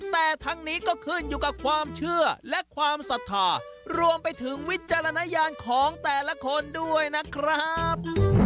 แต่ทั้งนี้ก็ขึ้นอยู่กับความเชื่อและความศรัทธารวมไปถึงวิจารณญาณของแต่ละคนด้วยนะครับ